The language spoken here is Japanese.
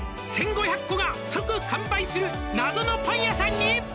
「１５００個が即完売する謎のパン屋さんに」